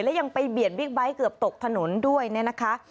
และยังไปเบียดบิ๊กไบท์เกือบตกถนนด้วยเนี่ยนะคะ